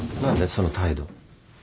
その態度。